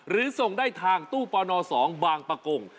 หรือส่งได้ทางตู้ปน๒บางประกง